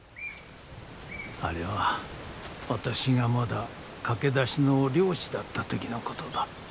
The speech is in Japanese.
あれは私がまだ駆け出しの猟師だった時のことだ。